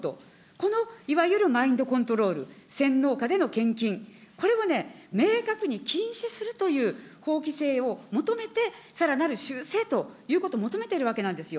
このいわゆるマインドコントロール、洗脳下での献金、これをね、明確に禁止するという法規制を求めて、さらなる修正ということを求めているわけなんですよ。